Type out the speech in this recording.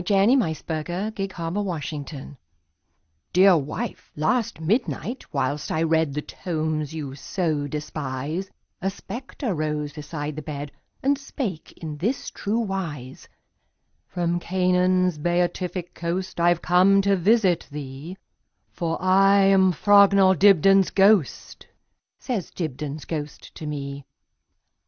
1900. By EugeneField 1045 Dibdin's Ghost DEAR wife, last midnight, whilst I readThe tomes you so despise,A spectre rose beside the bed, And spake in this true wise:"From Canaan's beatific coastI 've come to visit thee, For I am Frognall Dibdin's ghost,"Says Dibdin's ghost to me.